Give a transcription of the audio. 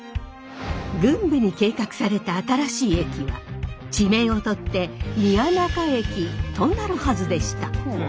郡部に計画された新しい駅は地名をとって宮仲駅となるはずでした。